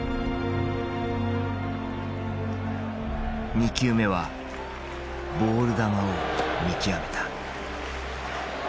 ２球目はボール球を見極めた。